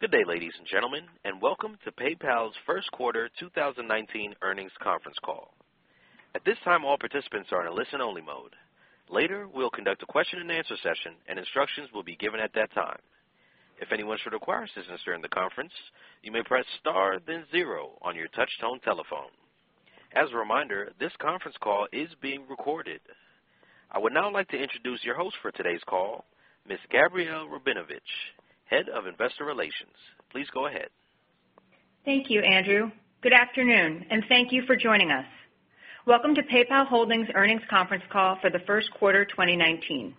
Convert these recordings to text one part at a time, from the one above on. Good day, ladies and gentlemen, welcome to PayPal's first quarter 2019 earnings conference call. At this time, all participants are in a listen-only mode. Later, we'll conduct a question and answer session and instructions will be given at that time. If anyone should require assistance during the conference, you may press star then zero on your touchtone telephone. As a reminder, this conference call is being recorded. I would now like to introduce your host for today's call, Ms. Gabrielle Rabinovitch, Head of Investor Relations. Please go ahead. Thank you, Andrew. Good afternoon, thank you for joining us. Welcome to PayPal Holdings Earnings Conference Call for the first quarter 2019.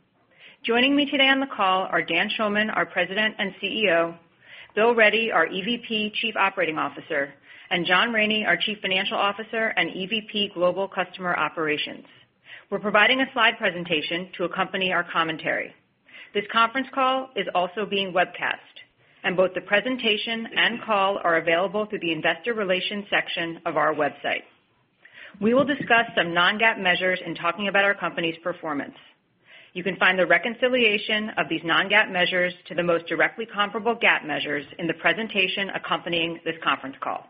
Joining me today on the call are Dan Schulman, our President and CEO, Bill Ready, our EVP Chief Operating Officer, and John Rainey, our Chief Financial Officer and EVP Global Customer Operations. We're providing a slide presentation to accompany our commentary. This conference call is also being webcast, both the presentation and call are available through the investor relations section of our website. We will discuss some non-GAAP measures in talking about our company's performance. You can find the reconciliation of these non-GAAP measures to the most directly comparable GAAP measures in the presentation accompanying this conference call.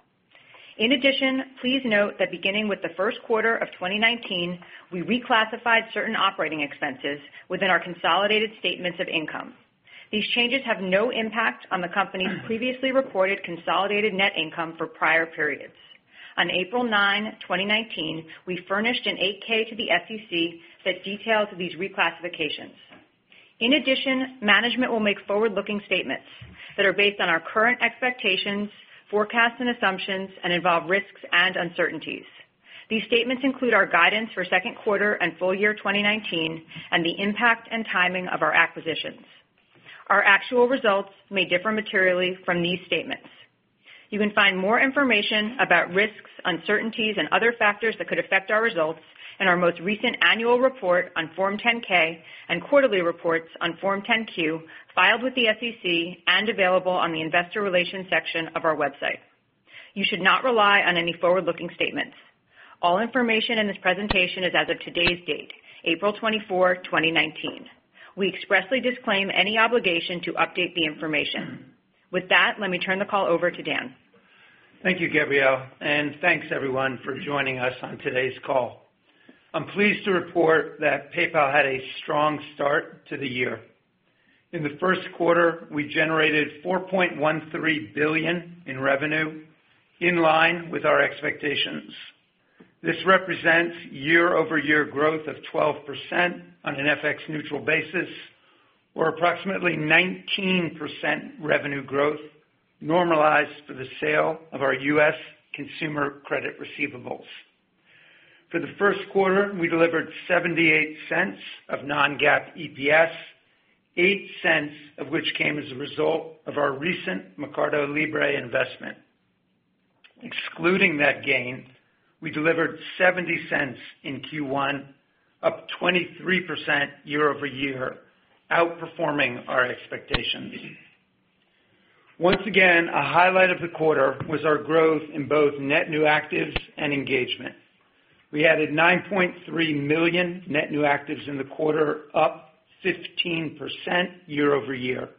In addition, please note that beginning with the first quarter of 2019, we reclassified certain operating expenses within our consolidated statements of income. These changes have no impact on the company's previously reported consolidated net income for prior periods. On April 9, 2019, we furnished an 8-K to the SEC that details these reclassifications. In addition, management will make forward-looking statements that are based on our current expectations, forecasts and assumptions and involve risks and uncertainties. These statements include our guidance for second quarter and full year 2019 and the impact and timing of our acquisitions. Our actual results may differ materially from these statements. You can find more information about risks, uncertainties and other factors that could affect our results in our most recent annual report on Form 10-K and quarterly reports on Form 10-Q filed with the SEC and available on the investor relations section of our website. You should not rely on any forward-looking statements. All information in this presentation is as of today's date, April 24, 2019. We expressly disclaim any obligation to update the information. With that, let me turn the call over to Dan. Thank you, Gabrielle, and thanks everyone for joining us on today's call. I'm pleased to report that PayPal had a strong start to the year. In the first quarter, we generated $4.13 billion in revenue, in line with our expectations. This represents year-over-year growth of 12% on an FX neutral basis or approximately 19% revenue growth normalized for the sale of our U.S. consumer credit receivables. For the first quarter, we delivered $0.78 of non-GAAP EPS, $0.08 of which came as a result of our recent Mercado Libre investment. Excluding that gain, we delivered $0.70 in Q1, up 23% year-over-year, outperforming our expectations. Once again, a highlight of the quarter was our growth in both net new actives and engagement. We added 9.3 million net new actives in the quarter, up 15% year-over-year.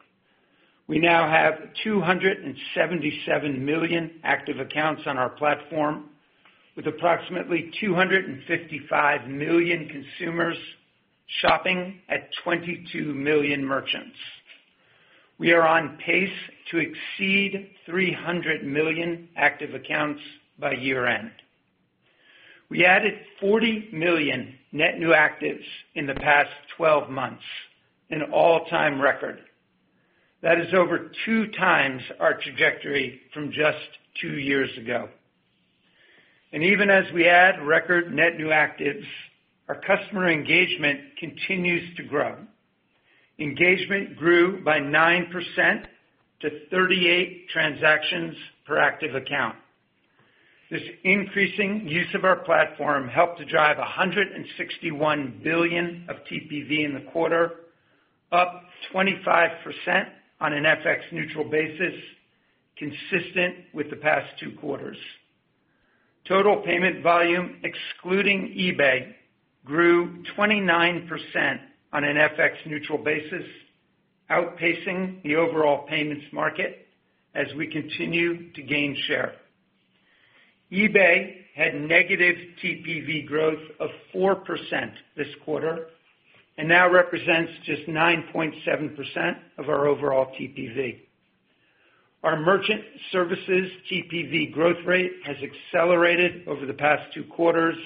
We now have 277 million active accounts on our platform with approximately 255 million consumers shopping at 22 million merchants. We are on pace to exceed 300 million active accounts by year-end. We added 40 million net new actives in the past 12 months, an all-time record. That is over two times our trajectory from just two years ago. Even as we add record net new actives, our customer engagement continues to grow. Engagement grew by 9% to 38 transactions per active account. This increasing use of our platform helped to drive $161 billion of TPV in the quarter, up 25% on an FX neutral basis, consistent with the past two quarters. Total payment volume excluding eBay grew 29% on an FX neutral basis, outpacing the overall payments market as we continue to gain share. eBay had negative TPV growth of 4% this quarter and now represents just 9.7% of our overall TPV. Our merchant services TPV growth rate has accelerated over the past two quarters,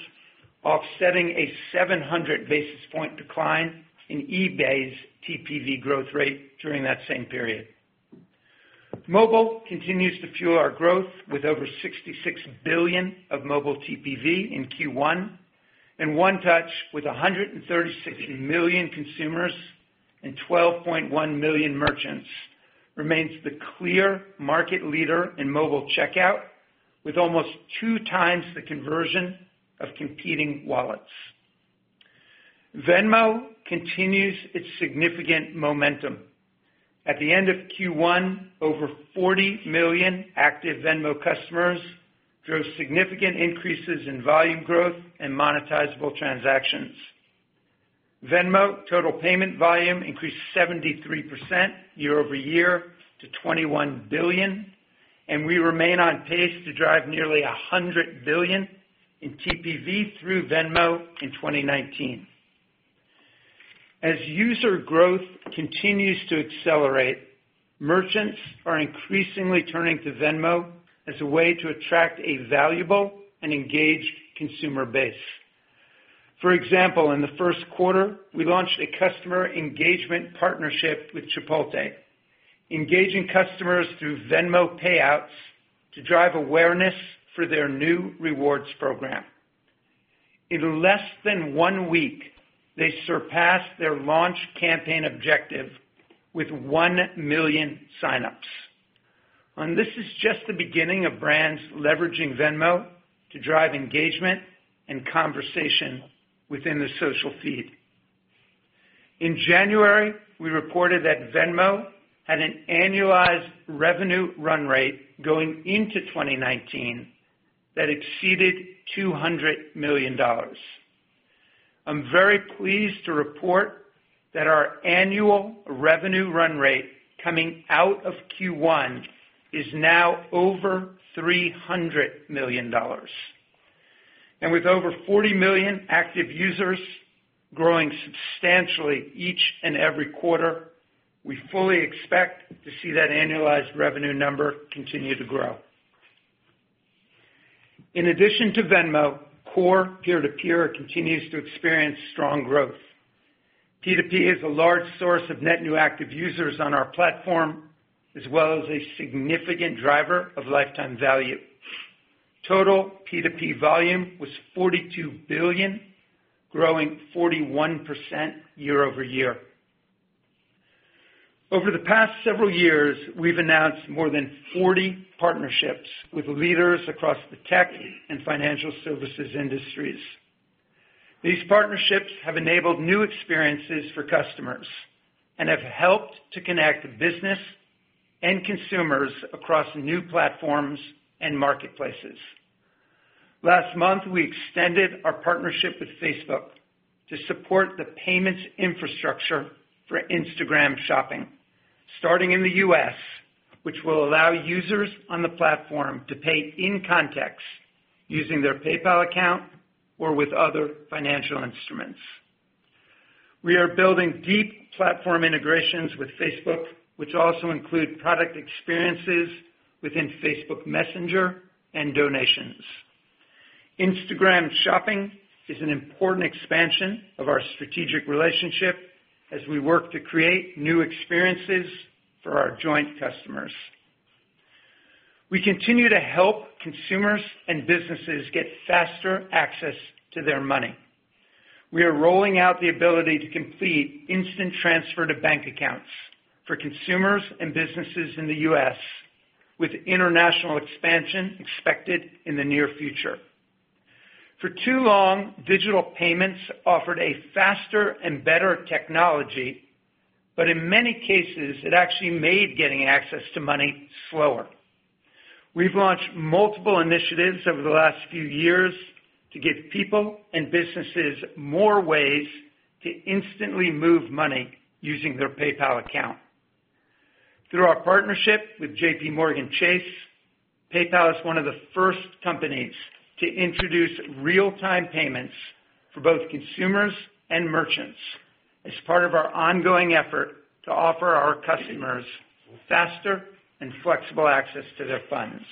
offsetting a 700 basis point decline in eBay's TPV growth rate during that same period. Mobile continues to fuel our growth with over $66 billion of mobile TPV in Q1 and One Touch with 136 million consumers and 12.1 million merchants remains the clear market leader in mobile checkout with almost two times the conversion of competing wallets. Venmo continues its significant momentum. At the end of Q1, over 40 million active Venmo customers drove significant increases in volume growth and monetizable transactions. Venmo total payment volume increased 73% year-over-year to $21 billion, and we remain on pace to drive nearly $100 billion in TPV through Venmo in 2019. As user growth continues to accelerate, merchants are increasingly turning to Venmo as a way to attract a valuable and engaged consumer base. For example, in the first quarter, we launched a customer engagement partnership with Chipotle, engaging customers through Venmo payouts to drive awareness for their new rewards program. In less than one week, they surpassed their launch campaign objective with 1 million sign-ups. This is just the beginning of brands leveraging Venmo to drive engagement and conversation within the social feed. In January, we reported that Venmo had an annualized revenue run rate going into 2019 that exceeded $200 million. I'm very pleased to report that our annual revenue run rate coming out of Q1 is now over $300 million. With over 40 million active users growing substantially each and every quarter, we fully expect to see that annualized revenue number continue to grow. In addition to Venmo, core P2P continues to experience strong growth. P2P is a large source of net new active users on our platform, as well as a significant driver of lifetime value. Total P2P volume was $42 billion, growing 41% year-over-year. Over the past 40 years, we've announced more than 40 partnerships with leaders across the tech and financial services industries. These partnerships have enabled new experiences for customers and have helped to connect business and consumers across new platforms and marketplaces. Last month, we extended our partnership with Facebook to support the payments infrastructure for Instagram shopping, starting in the U.S., which will allow users on the platform to pay in context using their PayPal account or with other financial instruments. We are building deep platform integrations with Facebook, which also include product experiences within Facebook Messenger and donations. Instagram shopping is an important expansion of our strategic relationship as we work to create new experiences for our joint customers. We continue to help consumers and businesses get faster access to their money. We are rolling out the ability to complete instant transfer to bank accounts for consumers and businesses in the U.S., with international expansion expected in the near future. For too long, digital payments offered a faster and better technology, but in many cases, it actually made getting access to money slower. We've launched multiple initiatives over the last few years to give people and businesses more ways to instantly move money using their PayPal account. Through our partnership with JPMorgan Chase, PayPal is one of the first companies to introduce real-time payments for both consumers and merchants as part of our ongoing effort to offer our customers faster and flexible access to their funds.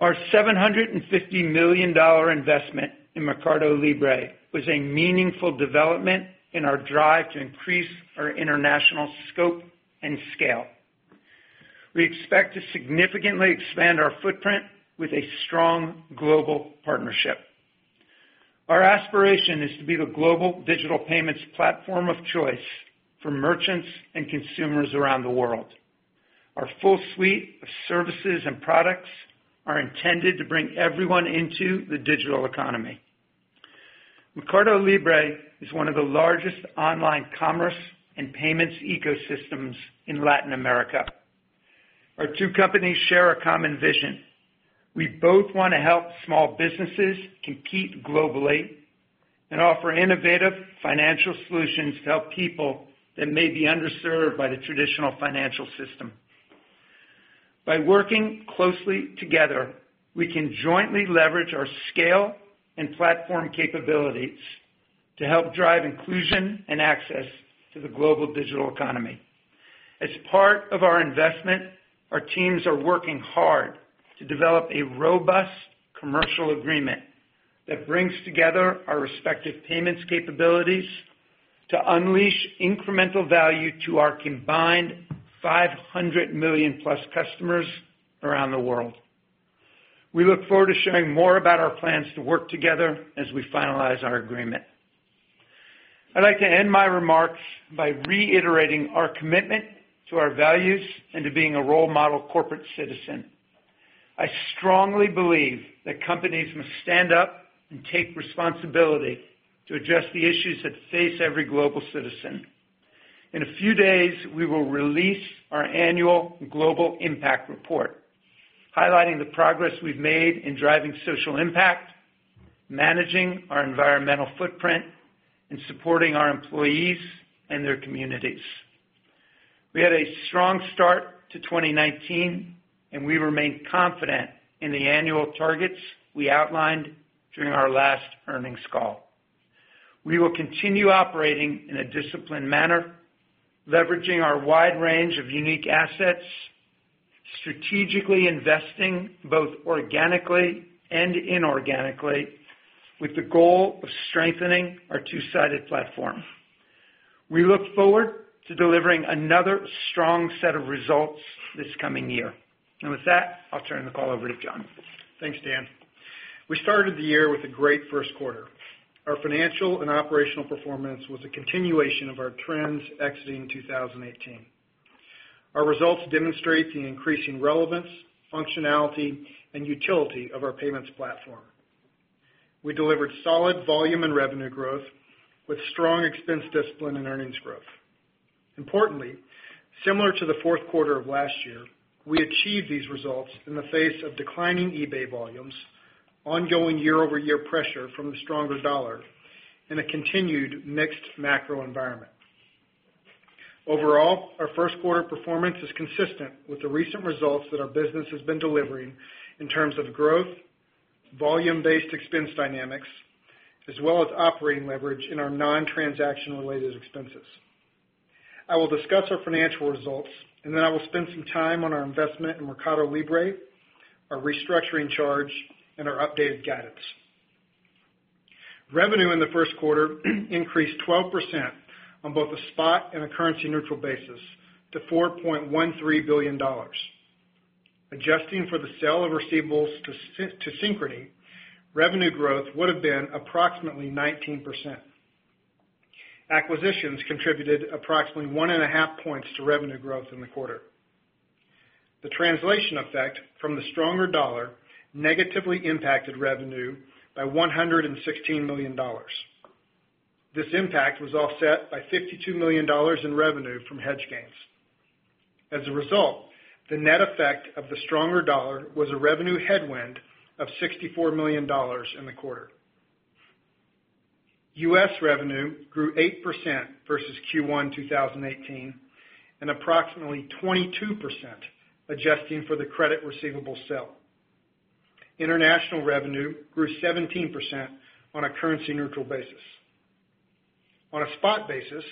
Our $750 million investment in Mercado Libre was a meaningful development in our drive to increase our international scope and scale. We expect to significantly expand our footprint with a strong global partnership. Our aspiration is to be the global digital payments platform of choice for merchants and consumers around the world. Our full suite of services and products are intended to bring everyone into the digital economy. Mercado Libre is one of the largest online commerce and payments ecosystems in Latin America. Our two companies share a common vision. We both want to help small businesses compete globally and offer innovative financial solutions to help people that may be underserved by the traditional financial system. By working closely together, we can jointly leverage our scale and platform capabilities to help drive inclusion and access to the global digital economy. As part of our investment, our teams are working hard to develop a robust commercial agreement that brings together our respective payments capabilities to unleash incremental value to our combined 500 million-plus customers around the world. We look forward to sharing more about our plans to work together as we finalize our agreement. I'd like to end my remarks by reiterating our commitment to our values and to being a role model corporate citizen. I strongly believe that companies must stand up and take responsibility to address the issues that face every global citizen. In a few days, we will release our annual global impact report, highlighting the progress we've made in driving social impact, managing our environmental footprint, and supporting our employees and their communities. We had a strong start to 2019, and we remain confident in the annual targets we outlined during our last earnings call. We will continue operating in a disciplined manner, leveraging our wide range of unique assets, strategically investing both organically and inorganically with the goal of strengthening our two-sided platform. We look forward to delivering another strong set of results this coming year. With that, I'll turn the call over to John. Thanks, Dan. We started the year with a great first quarter. Our financial and operational performance was a continuation of our trends exiting 2018. Our results demonstrate the increasing relevance, functionality, and utility of our payments platform. We delivered solid volume and revenue growth with strong expense discipline and earnings growth. Importantly, similar to the fourth quarter of last year, we achieved these results in the face of declining eBay volumes, ongoing year-over-year pressure from the stronger dollar, and a continued mixed macro environment. Overall, our first quarter performance is consistent with the recent results that our business has been delivering in terms of growth, volume-based expense dynamics, as well as operating leverage in our non-transaction related expenses. I will discuss our financial results, then I will spend some time on our investment in Mercado Libre, our restructuring charge, and our updated guidance. Revenue in the first quarter increased 12% on both a spot and a currency-neutral basis to $4.13 billion. Adjusting for the sale of receivables to Synchrony, revenue growth would have been approximately 19%. Acquisitions contributed approximately one and a half points to revenue growth in the quarter. The translation effect from the stronger dollar negatively impacted revenue by $116 million. This impact was offset by $52 million in revenue from hedge gains. As a result, the net effect of the stronger dollar was a revenue headwind of $64 million in the quarter. U.S. revenue grew 8% versus Q1 2018 and approximately 22% adjusting for the credit receivable sale. International revenue grew 17% on a currency-neutral basis. On a spot basis,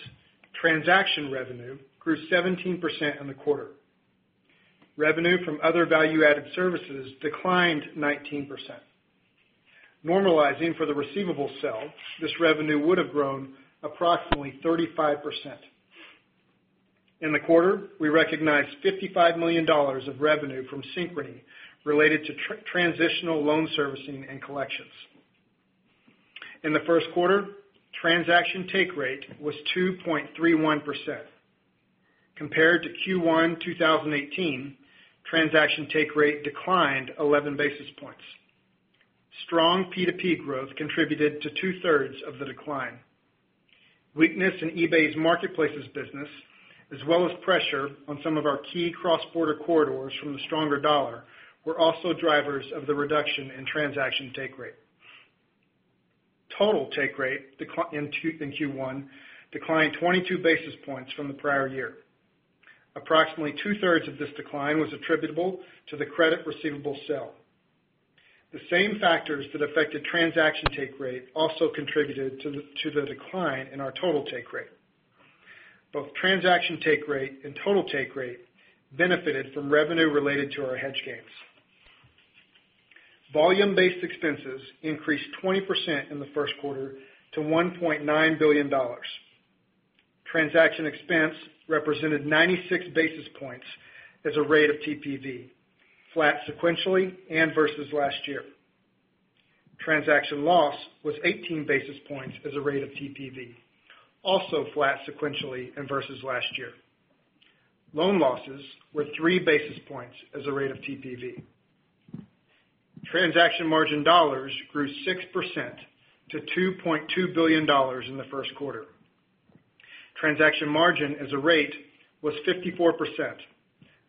transaction revenue grew 17% in the quarter. Revenue from other value-added services declined 19%. Normalizing for the receivable sale, this revenue would have grown approximately 35%. In the quarter, we recognized $55 million of revenue from Synchrony related to transitional loan servicing and collections. In the first quarter, transaction take rate was 2.31%. Compared to Q1 2018, transaction take rate declined 11 basis points. Strong P2P growth contributed to two-thirds of the decline. Weakness in eBay's marketplaces business, as well as pressure on some of our key cross-border corridors from the stronger dollar were also drivers of the reduction in transaction take rate. Total take rate in Q1 declined 22 basis points from the prior year. Approximately two-thirds of this decline was attributable to the credit receivable sale. The same factors that affected transaction take rate also contributed to the decline in our total take rate. Both transaction take rate and total take rate benefited from revenue related to our hedge gains. Volume-based expenses increased 20% in the first quarter to $1.9 billion. Transaction expense represented 96 basis points as a rate of TPV, flat sequentially and versus last year. Transaction loss was 18 basis points as a rate of TPV, also flat sequentially and versus last year. Loan losses were three basis points as a rate of TPV. Transaction margin dollars grew 6% to $2.2 billion in the first quarter. Transaction margin as a rate was 54%,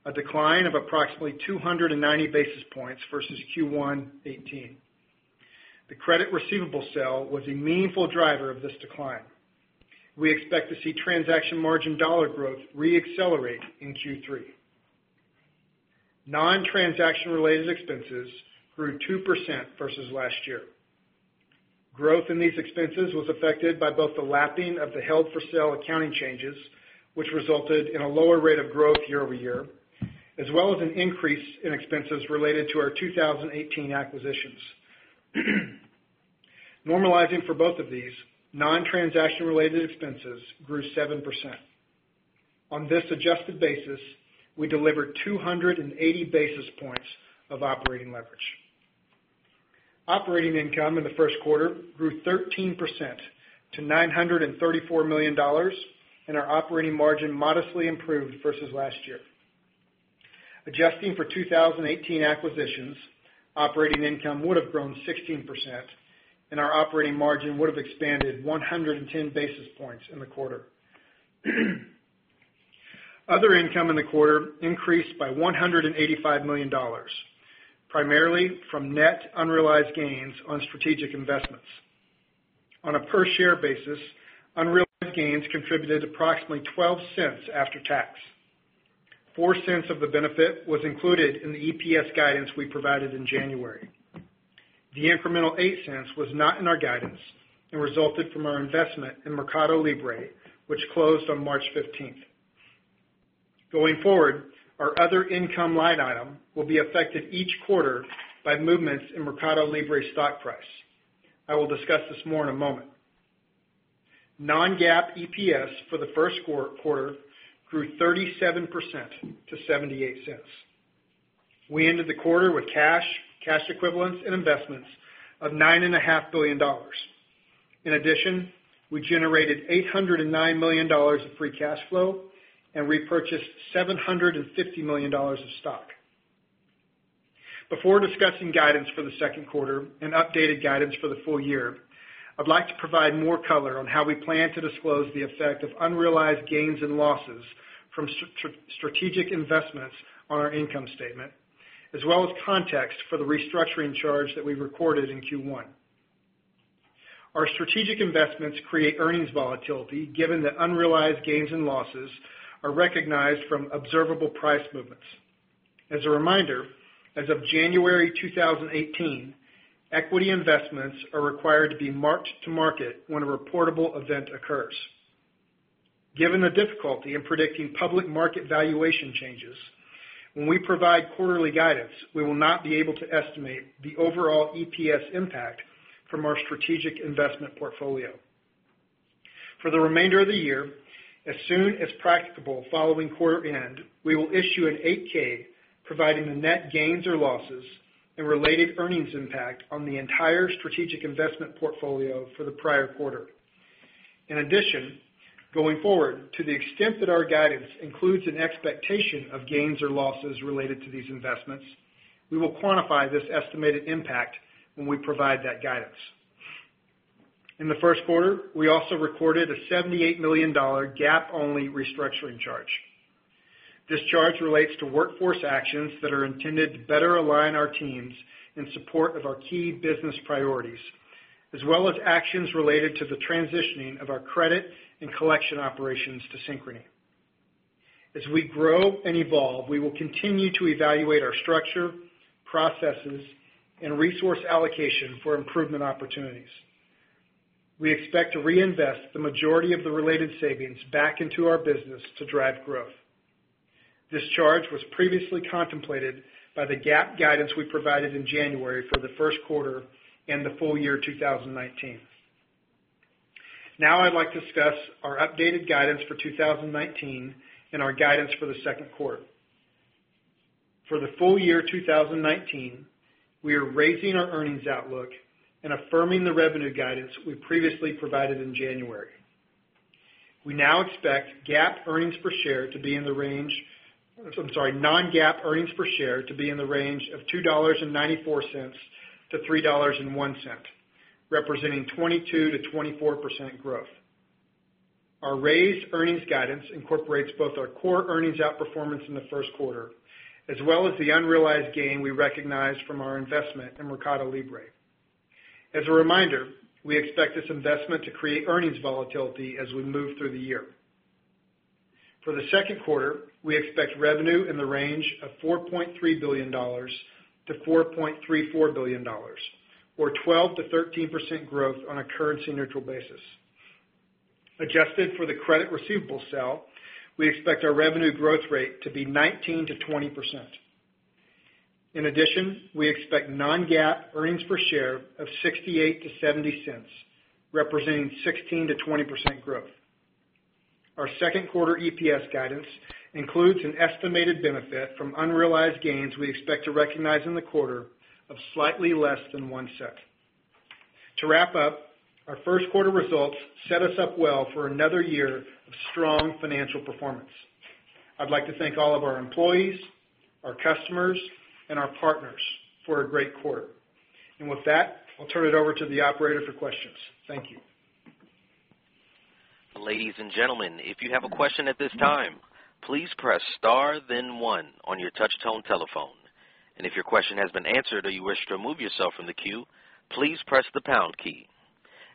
a decline of approximately 290 basis points versus Q1 2018. The credit receivable sale was a meaningful driver of this decline. We expect to see transaction margin dollar growth re-accelerate in Q3. Non-transaction related expenses grew 2% versus last year. Growth in these expenses was affected by both the lapping of the held-for-sale accounting changes, which resulted in a lower rate of growth year-over-year, as well as an increase in expenses related to our 2018 acquisitions. Normalizing for both of these, non-transaction related expenses grew 7%. On this adjusted basis, we delivered 280 basis points of operating leverage. Operating income in the first quarter grew 13% to $934 million, and our operating margin modestly improved versus last year. Adjusting for 2018 acquisitions, operating income would have grown 16%, and our operating margin would have expanded 110 basis points in the quarter. Other income in the quarter increased by $185 million, primarily from net unrealized gains on strategic investments. On a per-share basis, unrealized gains contributed approximately $0.12 after tax. $0.04 of the benefit was included in the EPS guidance we provided in January. The incremental $0.08 was not in our guidance and resulted from our investment in MercadoLibre, which closed on March 15th. Going forward, our other income line item will be affected each quarter by movements in MercadoLibre's stock price. I will discuss this more in a moment. Non-GAAP EPS for the first quarter grew 37% to $0.78. We ended the quarter with cash equivalents, and investments of $9.5 billion. In addition, we generated $809 million of free cash flow and repurchased $750 million of stock. Before discussing guidance for the second quarter and updated guidance for the full year, I'd like to provide more color on how we plan to disclose the effect of unrealized gains and losses from strategic investments on our income statement, as well as context for the restructuring charge that we recorded in Q1. Our strategic investments create earnings volatility, given that unrealized gains and losses are recognized from observable price movements. As a reminder, as of January 2018, equity investments are required to be marked to market when a reportable event occurs. Given the difficulty in predicting public market valuation changes, when we provide quarterly guidance, we will not be able to estimate the overall EPS impact from our strategic investment portfolio. For the remainder of the year, as soon as practicable following quarter end, we will issue an 8-K providing the net gains or losses and related earnings impact on the entire strategic investment portfolio for the prior quarter. In addition, going forward, to the extent that our guidance includes an expectation of gains or losses related to these investments, we will quantify this estimated impact when we provide that guidance. In the first quarter, we also recorded a $78 million GAAP-only restructuring charge. This charge relates to workforce actions that are intended to better align our teams in support of our key business priorities, as well as actions related to the transitioning of our credit and collection operations to Synchrony. As we grow and evolve, we will continue to evaluate our structure, processes, and resource allocation for improvement opportunities. We expect to reinvest the majority of the related savings back into our business to drive growth. This charge was previously contemplated by the GAAP guidance we provided in January for the first quarter and the full year 2019. I'd like to discuss our updated guidance for 2019 and our guidance for the second quarter. For the full year 2019, we are raising our earnings outlook and affirming the revenue guidance we previously provided in January. We now expect non-GAAP earnings per share to be in the range of $2.94-$3.01, representing 22%-24% growth. Our raised earnings guidance incorporates both our core earnings outperformance in the first quarter, as well as the unrealized gain we recognized from our investment in MercadoLibre. As a reminder, we expect this investment to create earnings volatility as we move through the year. For the second quarter, we expect revenue in the range of $4.3 billion-$4.34 billion, or 12%-13% growth on a currency-neutral basis. Adjusted for the credit receivable sale, we expect our revenue growth rate to be 19%-20%. In addition, we expect non-GAAP earnings per share of $0.68-$0.70, representing 16%-20% growth. Our second quarter EPS guidance includes an estimated benefit from unrealized gains we expect to recognize in the quarter of slightly less than $0.01. To wrap up, our first quarter results set us up well for another year of strong financial performance. I'd like to thank all of our employees, our customers, and our partners for a great quarter. With that, I'll turn it over to the operator for questions. Thank you. Ladies and gentlemen, if you have a question at this time, please press star then one on your touch tone telephone. If your question has been answered or you wish to remove yourself from the queue, please press the pound key.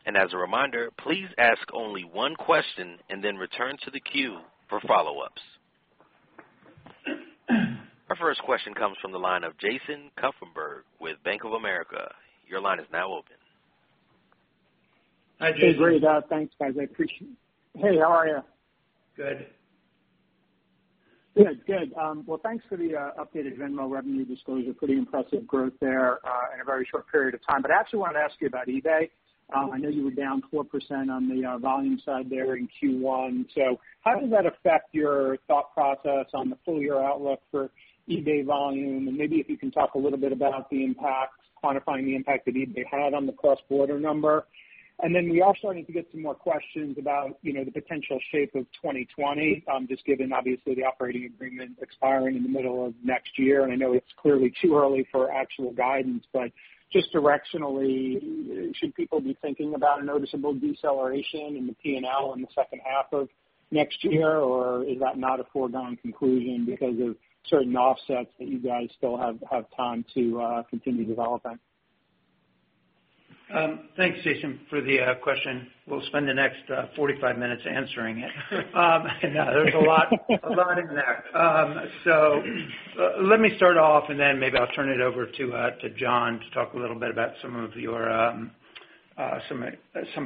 As a reminder, please ask only one question and then return to the queue for follow-ups. Our first question comes from the line of Jason Kupferberg with Bank of America. Your line is now open. Hi, Jason. Great. Thanks, guys. I appreciate it. Hey, how are you? Good. Yeah, good. Well, thanks for the updated Venmo revenue disclosure. Pretty impressive growth there in a very short period of time. I actually wanted to ask you about eBay. I know you were down 4% on the volume side there in Q1. How does that affect your thought process on the full-year outlook for eBay volume? Maybe if you can talk a little bit about the impact, quantifying the impact that eBay had on the cross-border number. We also need to get some more questions about the potential shape of 2020, just given obviously the operating agreement expiring in the middle of next year. I know it's clearly too early for actual guidance, but just directionally, should people be thinking about a noticeable deceleration in the P&L in the second half of next year, or is that not a foregone conclusion because of certain offsets that you guys still have time to continue developing? Thanks, Jason, for the question. We'll spend the next 45 minutes answering it. There's a lot in there. Let me start off, and then maybe I'll turn it over to John to talk a little bit about some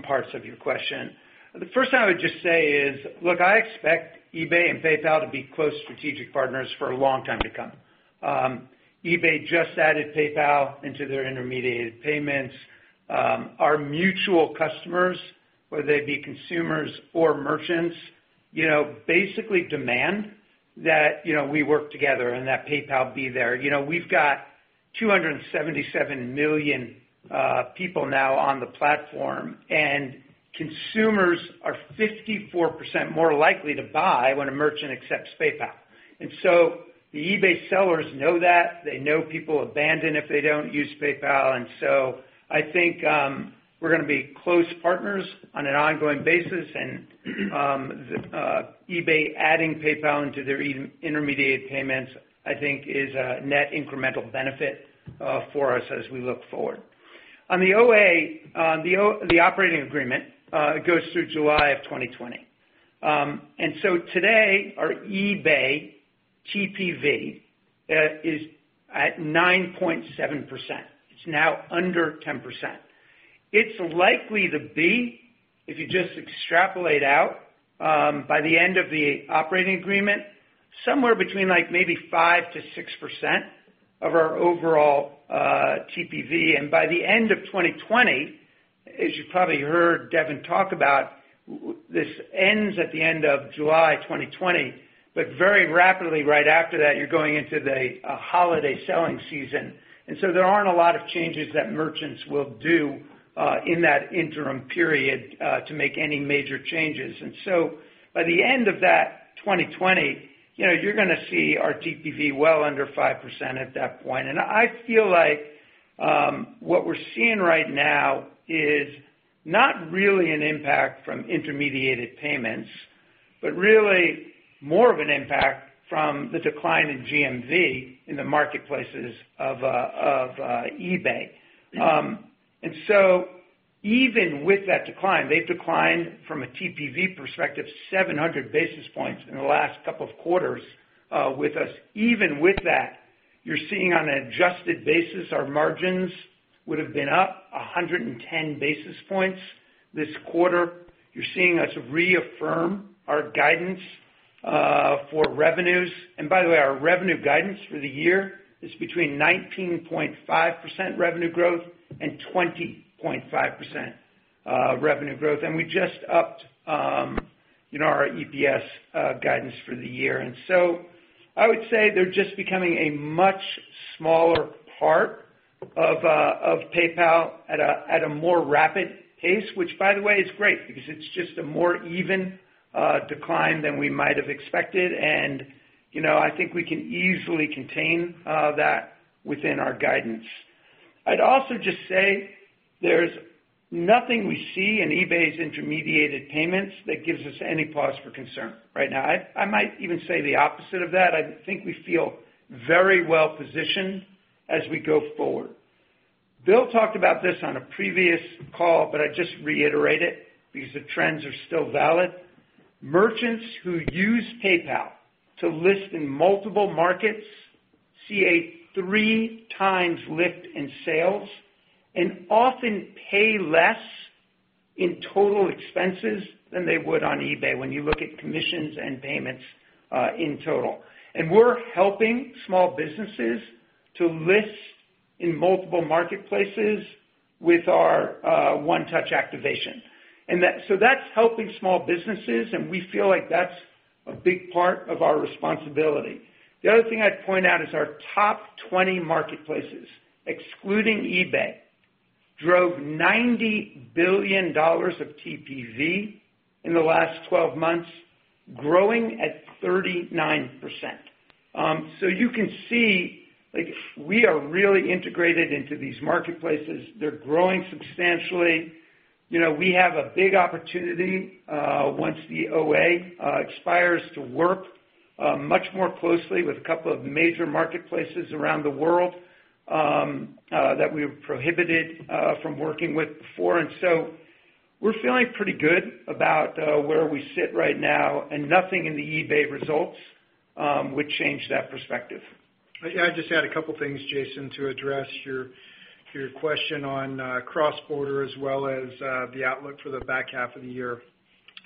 parts of your question. The first thing I would just say is, look, I expect eBay and PayPal to be close strategic partners for a long time to come. eBay just added PayPal into their intermediated payments. Our mutual customers, whether they be consumers or merchants basically demand that we work together and that PayPal be there. We've got 277 million people now on the platform, and consumers are 54% more likely to buy when a merchant accepts PayPal. The eBay sellers know that. They know people abandon if they don't use PayPal. I think we're going to be close partners on an ongoing basis. eBay adding PayPal into their intermediated payments, I think is a net incremental benefit for us as we look forward. On the OA, the operating agreement, goes through July of 2020. Today our eBay TPV is at 9.7%. It's now under 10%. It's likely to be, if you just extrapolate out by the end of the operating agreement, somewhere between maybe 5%-6% of our overall TPV. By the end of 2020, as you probably heard Devin talk about, this ends at the end of July 2020, but very rapidly right after that you're going into the holiday selling season. There aren't a lot of changes that merchants will do in that interim period to make any major changes. By the end of that 2020, you're going to see our TPV well under 5% at that point. I feel like what we're seeing right now is not really an impact from intermediated payments, but really more of an impact from the decline in GMV in the marketplaces of eBay. Even with that decline, they've declined from a TPV perspective, 700 basis points in the last couple of quarters with us. Even with that, you're seeing on an adjusted basis, our margins would have been up 110 basis points this quarter. You're seeing us reaffirm our guidance for revenues. By the way, our revenue guidance for the year is between 19.5% revenue growth and 20.5% revenue growth. We just upped our EPS guidance for the year. I would say they're just becoming a much smaller part of PayPal at a more rapid pace, which by the way, is great because it's just a more even decline than we might have expected. I think we can easily contain that within our guidance. I'd also just say there's nothing we see in eBay's intermediated payments that gives us any pause for concern right now. I might even say the opposite of that. I think we feel very well-positioned as we go forward. Bill talked about this on a previous call, but I just reiterate it because the trends are still valid. Merchants who use PayPal to list in multiple markets see a three times lift in sales and often pay less in total expenses than they would on eBay when you look at commissions and payments in total. We're helping small businesses to list in multiple marketplaces with our One Touch activation. That's helping small businesses, and we feel like that's a big part of our responsibility. The other thing I'd point out is our top 20 marketplaces, excluding eBay, drove $90 billion of TPV in the last 12 months, growing at 39%. You can see we are really integrated into these marketplaces. They're growing substantially. We have a big opportunity once the OA expires to work much more closely with a couple of major marketplaces around the world that we were prohibited from working with before. We're feeling pretty good about where we sit right now, and nothing in the eBay results would change that perspective. Yeah, I'd just add a couple things, Jason, to address your question on cross-border as well as the outlook for the back half of the year.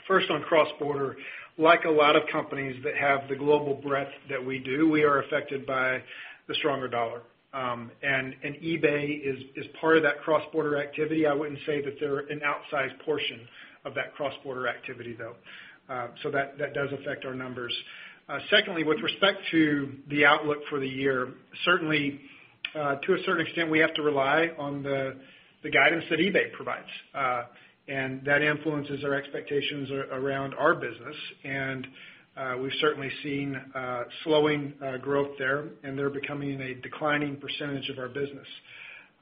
First on cross-border, like a lot of companies that have the global breadth that we do, we are affected by the stronger dollar. eBay is part of that cross-border activity. I wouldn't say that they're an outsized portion of that cross-border activity, though. That does affect our numbers. Secondly, with respect to the outlook for the year, to a certain extent, we have to rely on the guidance that eBay provides. That influences our expectations around our business, and we've certainly seen slowing growth there, and they're becoming a declining percentage of our business.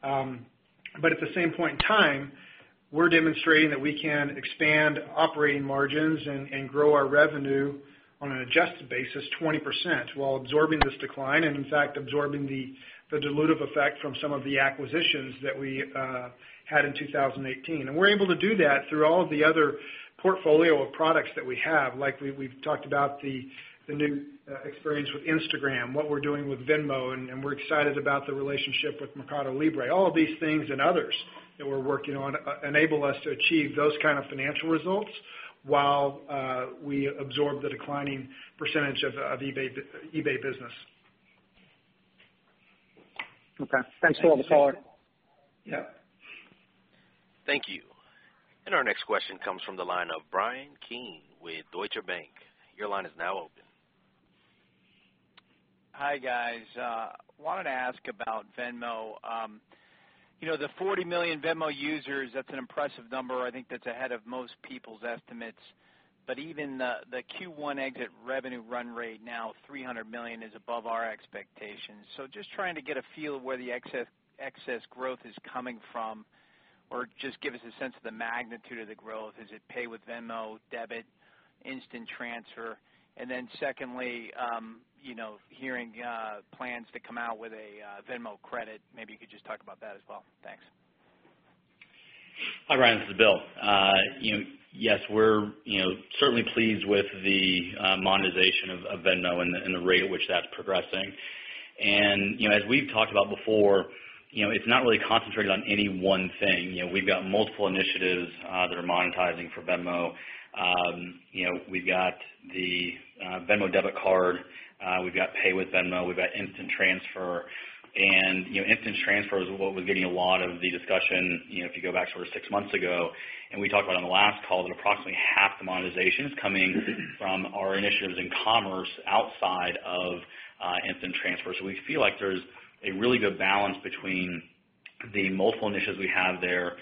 At the same point in time, we're demonstrating that we can expand operating margins and grow our revenue on an adjusted basis 20%, while absorbing this decline, and in fact, absorbing the dilutive effect from some of the acquisitions that we had in 2018. We're able to do that through all of the other portfolio of products that we have. We've talked about the new experience with Instagram, what we're doing with Venmo, we're excited about the relationship with Mercado Libre. All of these things and others that we're working on enable us to achieve those kind of financial results while we absorb the declining percentage of eBay business. Okay. Thanks for all the color. Yeah. Thank you. Our next question comes from the line of Bryan Keane with Deutsche Bank. Your line is now open. Hi, guys. Wanted to ask about Venmo. The 40 million Venmo users, that is an impressive number. I think that is ahead of most people's estimates. Even the Q1 exit revenue run rate now $300 million is above our expectations. Just trying to get a feel of where the excess growth is coming from, or just give us a sense of the magnitude of the growth. Is it Pay with Venmo, debit, instant transfer? Then secondly, hearing plans to come out with a Venmo credit. Maybe you could just talk about that as well. Thanks. Hi, Bryan, this is Bill. Yes, we are certainly pleased with the monetization of Venmo and the rate at which that is progressing. As we have talked about before, it is not really concentrated on any one thing. We have got multiple initiatives that are monetizing for Venmo. We have got the Venmo debit card, we have got Pay with Venmo, we have got instant transfer. Instant transfer is what was getting a lot of the discussion if you go back sort of 6 months ago. We talked about on the last call that approximately half the monetization is coming from our initiatives in commerce outside of instant transfer. We feel like there is a really good balance between the multiple initiatives we have there,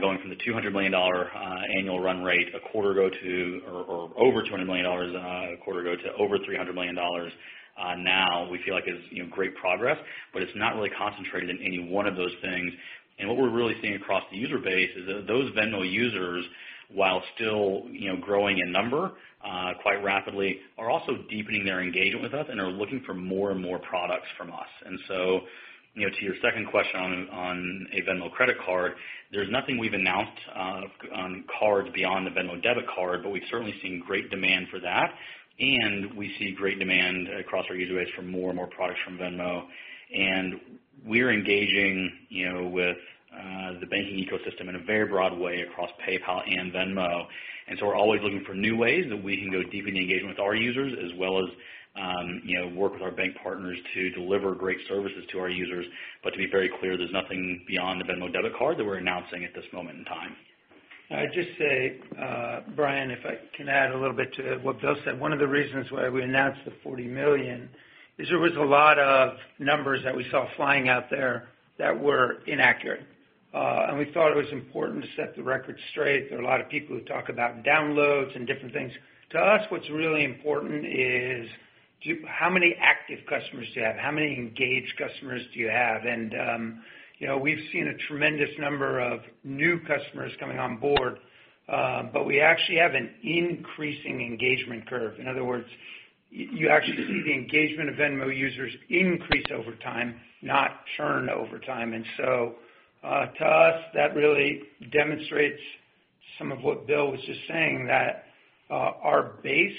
going from the $200 million annual run rate a quarter ago or over $200 million a quarter ago to over $300 million now, we feel like is great progress, but it is not really concentrated in any one of those things. What we are really seeing across the user base is that those Venmo users, while still growing in number quite rapidly, are also deepening their engagement with us and are looking for more and more products from us. To your second question on a Venmo credit card, there is nothing we have announced on cards beyond the Venmo debit card, but we have certainly seen great demand for that, and we see great demand across our user base for more and more products from Venmo. We're engaging with the banking ecosystem in a very broad way across PayPal and Venmo. We're always looking for new ways that we can go deepen the engagement with our users as well as work with our bank partners to deliver great services to our users. To be very clear, there's nothing beyond the Venmo debit card that we're announcing at this moment in time. I'd just say, Bryan, if I can add a little bit to what Bill said. One of the reasons why we announced the $40 million is there was a lot of numbers that we saw flying out there that were inaccurate. We thought it was important to set the record straight. There are a lot of people who talk about downloads and different things. To us, what's really important is how many active customers do you have? How many engaged customers do you have? We've seen a tremendous number of new customers coming on board, but we actually have an increasing engagement curve. In other words, you actually see the engagement of Venmo users increase over time, not churn over time. To us, that really demonstrates some of what Bill was just saying, that our base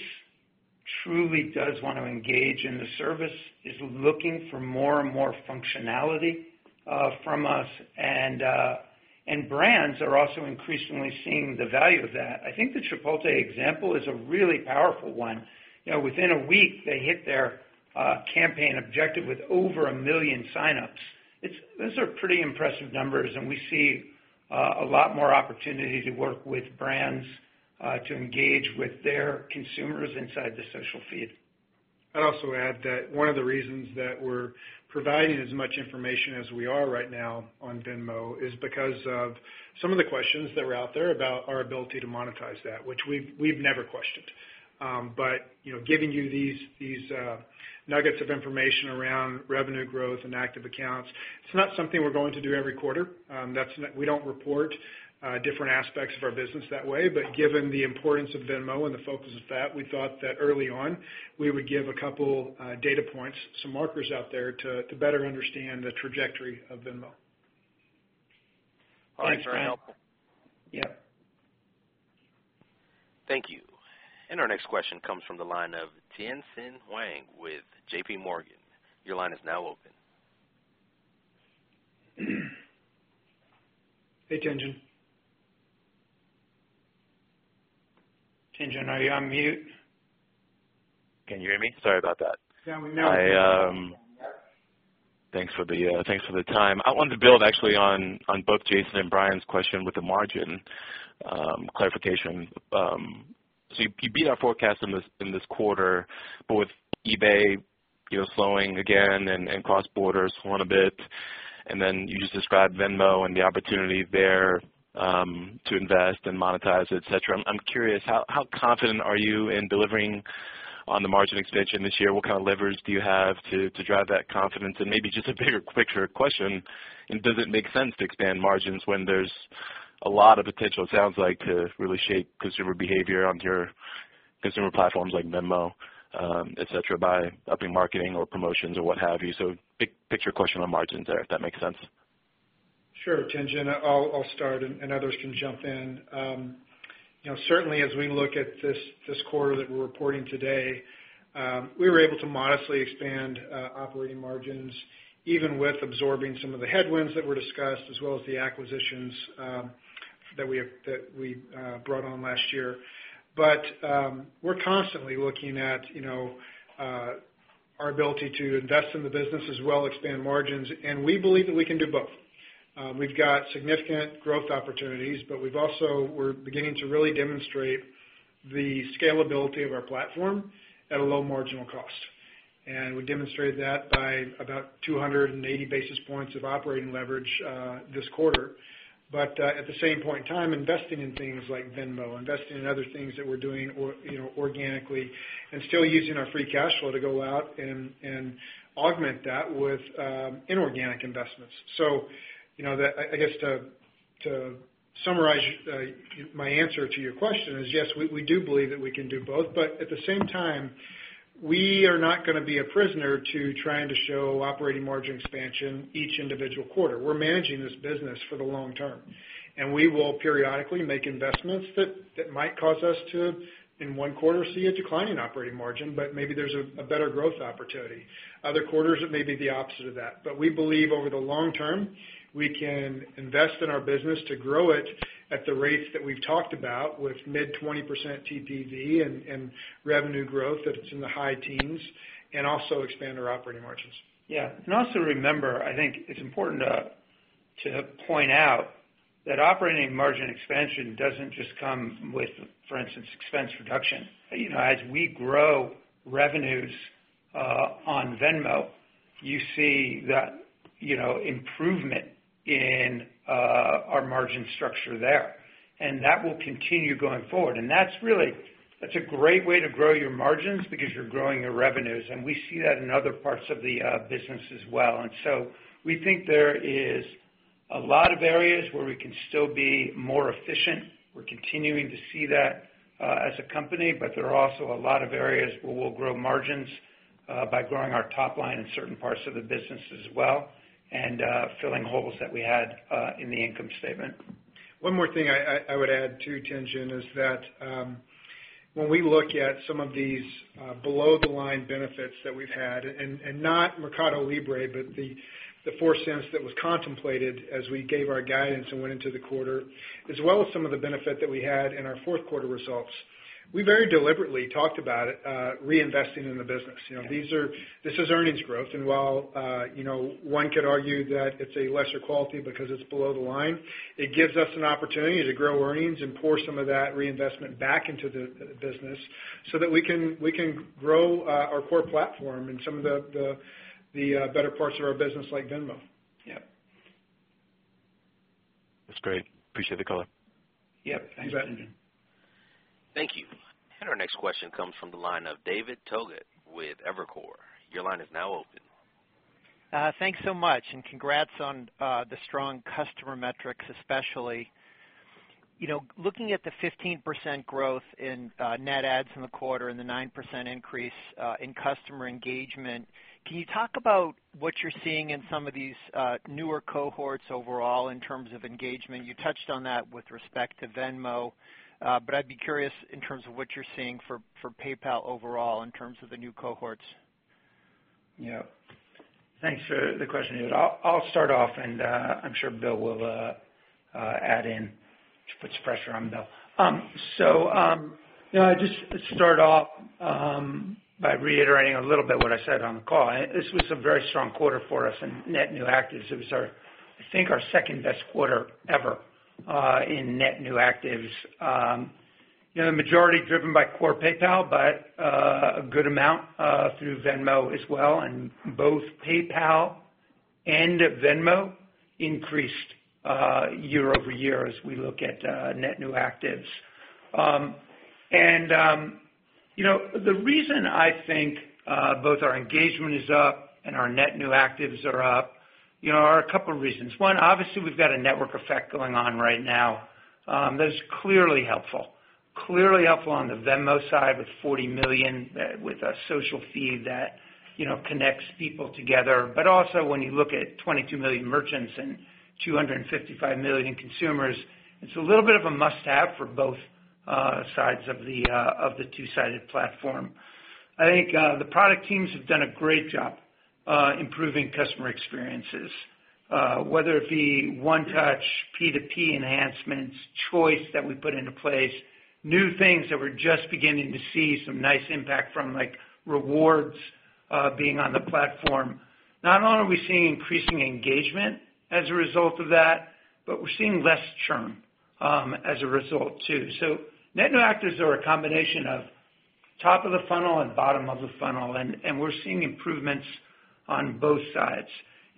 truly does want to engage in the service, is looking for more and more functionality from us. Brands are also increasingly seeing the value of that. I think the Chipotle example is a really powerful one. Within a week, they hit their campaign objective with over $1 million signups. Those are pretty impressive numbers, we see a lot more opportunity to work with brands to engage with their consumers inside the social feed. I'd also add that one of the reasons that we're providing as much information as we are right now on Venmo is because of some of the questions that were out there about our ability to monetize that, which we've never questioned. Giving you these nuggets of information around revenue growth and active accounts, it's not something we're going to do every quarter. We don't report different aspects of our business that way, but given the importance of Venmo and the focus of that, we thought that early on we would give a couple data points, some markers out there to better understand the trajectory of Venmo. Thanks for the help. Yep. Thank you. Our next question comes from the line of Tien-tsin Huang with J.P. Morgan. Your line is now open. Hey, Tien-tsin. Tien-tsin, are you on mute? Can you hear me? Sorry about that. Yeah, we can now. Thanks for the time. I wanted to build actually on both Jason and Bryan's question with the margin clarification. You beat our forecast in this quarter, but with eBay slowing again and cross-border slowing a bit, then you just described Venmo and the opportunity there to invest and monetize, et cetera. I'm curious, how confident are you in delivering on the margin expansion this year? What kind of levers do you have to drive that confidence? Maybe just a bigger picture question, does it make sense to expand margins when there's a lot of potential, it sounds like, to really shape consumer behavior on your consumer platforms like Venmo, et cetera, by upping marketing or promotions or what have you? Big picture question on margins there, if that makes sense. Sure. Tien-tsin, I'll start others can jump in. Certainly, as we look at this quarter that we're reporting today, we were able to modestly expand operating margins, even with absorbing some of the headwinds that were discussed, as well as the acquisitions that we brought on last year. We're constantly looking at our ability to invest in the business as well expand margins, we believe that we can do both. We've got significant growth opportunities, but we're beginning to really demonstrate the scalability of our platform at a low marginal cost. We demonstrated that by about 280 basis points of operating leverage this quarter. At the same point in time, investing in things like Venmo, investing in other things that we're doing organically, still using our free cash flow to go out and augment that with inorganic investments. I guess to summarize my answer to your question is, yes, we do believe that we can do both, but at the same time, we are not going to be a prisoner to trying to show operating margin expansion each individual quarter. We're managing this business for the long term, and we will periodically make investments that might cause us to, in one quarter, see a decline in operating margin, but maybe there's a better growth opportunity. Other quarters, it may be the opposite of that. We believe over the long term, we can invest in our business to grow it at the rates that we've talked about with mid-20% TPV and revenue growth that's in the high teens, and also expand our operating margins. Remember, I think it's important to point out that operating margin expansion doesn't just come with, for instance, expense reduction. As we grow revenues on Venmo, you see that improvement in our margin structure there, and that will continue going forward. That's a great way to grow your margins because you're growing your revenues, and we see that in other parts of the business as well. We think there is a lot of areas where we can still be more efficient. We're continuing to see that as a company, but there are also a lot of areas where we'll grow margins by growing our top line in certain parts of the business as well, and filling holes that we had in the income statement. One more thing I would add too, Tien-tsin, is that when we look at some of these below the line benefits that we've had, and not Mercado Libre, but the $0.04 that was contemplated as we gave our guidance and went into the quarter, as well as some of the benefit that we had in our fourth quarter results. We very deliberately talked about it, reinvesting in the business. This is earnings growth, and while one could argue that it's a lesser quality because it's below the line, it gives us an opportunity to grow earnings and pour some of that reinvestment back into the business so that we can grow our core platform and some of the better parts of our business like Venmo. Yeah. That's great. Appreciate the color. Yeah. Thanks, Tien-tsin. You bet. Thank you. Our next question comes from the line of David Togut with Evercore. Your line is now open. Thanks so much, congrats on the strong customer metrics, especially. Looking at the 15% growth in net adds in the quarter and the 9% increase in customer engagement, can you talk about what you're seeing in some of these newer cohorts overall in terms of engagement? You touched on that with respect to Venmo. I'd be curious in terms of what you're seeing for PayPal overall in terms of the new cohorts. Yeah. Thanks for the question, David. I'll start off, and I'm sure Bill will add in. Put some pressure on Bill. I'll just start off by reiterating a little bit what I said on the call. This was a very strong quarter for us in net new actives. It was our, I think our second-best quarter ever in net new actives. The majority driven by core PayPal, but a good amount through Venmo as well, and both PayPal and Venmo increased year-over-year as we look at net new actives. The reason I think both our engagement is up and our net new actives are up are a couple of reasons. One, obviously, we've got a network effect going on right now. That is clearly helpful. Clearly helpful on the Venmo side with 40 million with a social feed that connects people together. Also when you look at 22 million merchants and 255 million in consumers, it's a little bit of a must-have for both sides of the two-sided platform. I think the product teams have done a great job improving customer experiences, whether it be One Touch, P2P enhancements, Choice that we put into place, new things that we're just beginning to see some nice impact from, like rewards being on the platform. Not only are we seeing increasing engagement as a result of that, but we're seeing less churn as a result, too. Net new actives are a combination of top of the funnel and bottom of the funnel, and we're seeing improvements on both sides.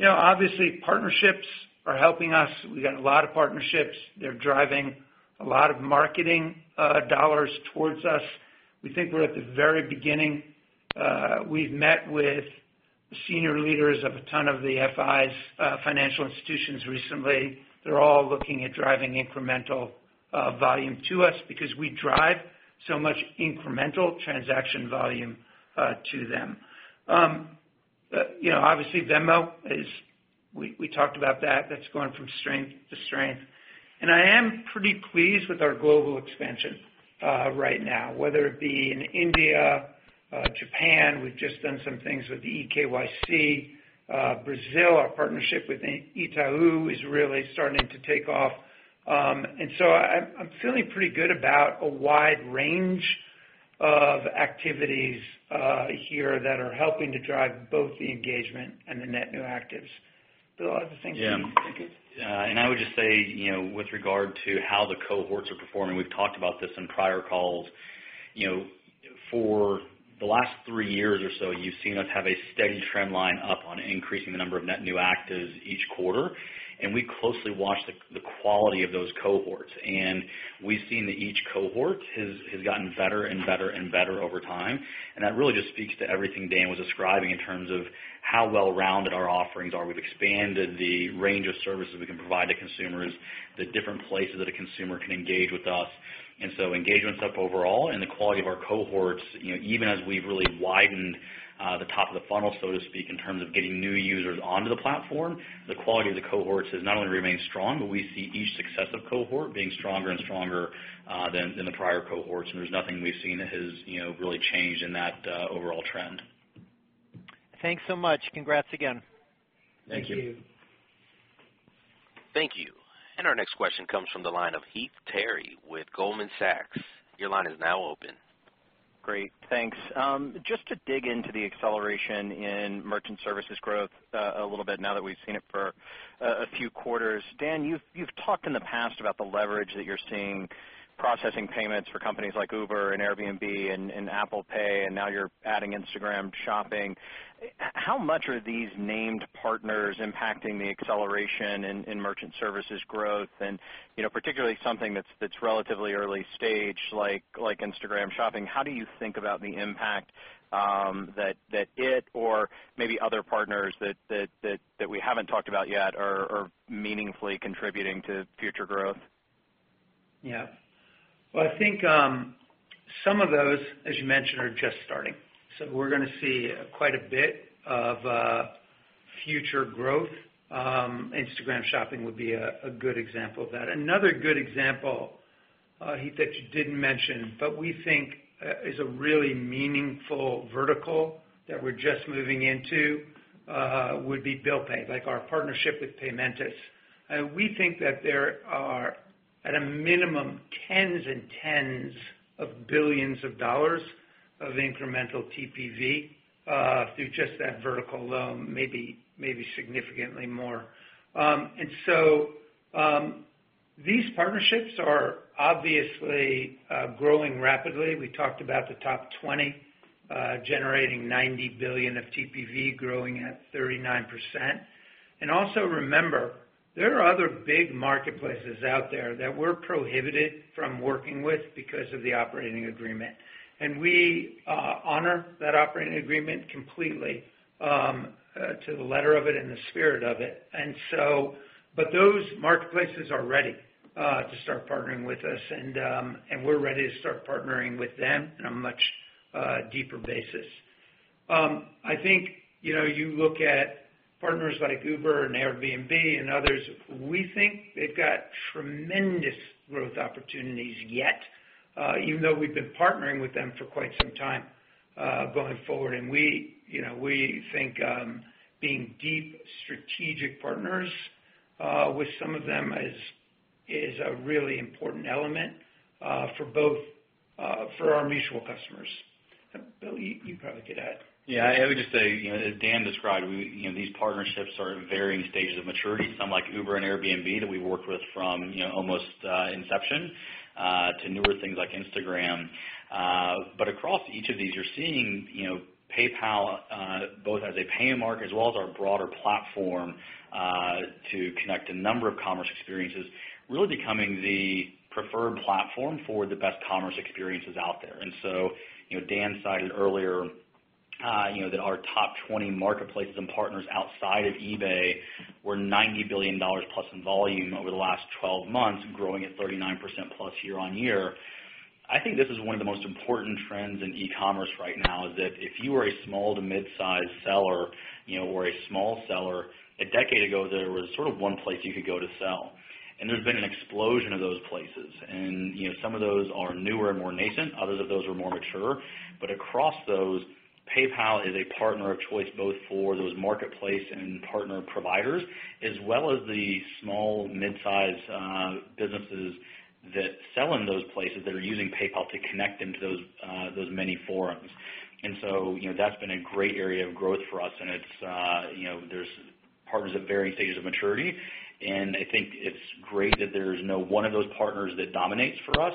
Obviously, partnerships are helping us. We got a lot of partnerships. They're driving a lot of marketing dollars towards us. We think we're at the very beginning. We've met with senior leaders of a ton of the FIs, financial institutions recently. They're all looking at driving incremental volume to us because we drive so much incremental transaction volume to them. Obviously, Venmo, we talked about that. That's gone from strength to strength. I am pretty pleased with our global expansion right now, whether it be in India, Japan, we've just done some things with eKYC. Brazil, our partnership with Itaú is really starting to take off. I'm feeling pretty good about a wide range of activities here that are helping to drive both the engagement and the net new actives. Bill, I don't know if you think- Yeah. I would just say, with regard to how the cohorts are performing, we've talked about this in prior calls. For the last three years or so, you've seen us have a steady trend line up on increasing the number of net new actives each quarter, and we closely watch the quality of those cohorts. We've seen that each cohort has gotten better over time, and that really just speaks to everything Dan was describing in terms of how well-rounded our offerings are. We've expanded the range of services we can provide to consumers, the different places that a consumer can engage with us. Engagement's up overall and the quality of our cohorts, even as we've really widened the top of the funnel, so to speak, in terms of getting new users onto the platform, the quality of the cohorts has not only remained strong, but we see each successive cohort being stronger and stronger than the prior cohorts, and there's nothing we've seen that has really changed in that overall trend. Thanks so much. Congrats again. Thank you. Thank you. Thank you. Our next question comes from the line of Heath Terry with Goldman Sachs. Your line is now open. Great. Thanks. Just to dig into the acceleration in merchant services growth a little bit now that we've seen it for a few quarters. Dan, you've talked in the past about the leverage that you're seeing processing payments for companies like Uber and Airbnb and Apple Pay, and now you're adding Instagram Shopping. How much are these named partners impacting the acceleration in merchant services growth and particularly something that's relatively early stage like Instagram Shopping? How do you think about the impact that it or maybe other partners that we haven't talked about yet are meaningfully contributing to future growth? Yeah. Well, I think some of those, as you mentioned, are just starting. We're going to see quite a bit of future growth. Instagram Shopping would be a good example of that. Another good example, Heath, that you didn't mention, but we think is a really meaningful vertical that we're just moving into would be bill pay, like our partnership with Paymentus. We think that there are, at a minimum, tens and tens of billions of dollars of incremental TPV through just that vertical alone, maybe significantly more. These partnerships are obviously growing rapidly. We talked about the top 20 generating $90 billion of TPV growing at 39%. Also remember, there are other big marketplaces out there that we're prohibited from working with because of the operating agreement. We honor that operating agreement completely, to the letter of it and the spirit of it. Those marketplaces are ready to start partnering with us, and we're ready to start partnering with them in a much deeper basis. I think you look at partners like Uber and Airbnb and others, we think they've got tremendous growth opportunities yet, even though we've been partnering with them for quite some time going forward. We think being deep strategic partners with some of them is a really important element for our mutual customers. Bill, you probably could add. Yeah, I would just say, as Dan described, these partnerships are in varying stages of maturity. Some like Uber and Airbnb that we've worked with from almost inception to newer things like Instagram. Across each of these, you're seeing PayPal both as a pay mark as well as our broader platform to connect a number of commerce experiences, really becoming the preferred platform for the best commerce experiences out there. Dan cited earlier that our top 20 marketplaces and partners outside of eBay were $90 billion+ in volume over the last 12 months, growing at 39%+ year-over-year. I think this is one of the most important trends in e-commerce right now is that if you were a small to mid-size seller or a small seller a decade ago, there was sort of one place you could go to sell. There's been an explosion of those places, and some of those are newer and more nascent, others of those are more mature. Across those, PayPal is a partner of choice both for those marketplace and partner providers, as well as the small mid-size businesses that sell in those places that are using PayPal to connect them to those many forums. That's been a great area of growth for us, and there's partners at varying stages of maturity. I think it's great that there's no one of those partners that dominates for us.